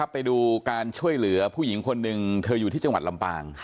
ไปดูการช่วยเหลือผู้หญิงคนหนึ่งเธออยู่ที่จังหวัดลำปาง